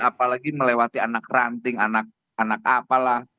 apalagi melewati anak ranting anak apa lah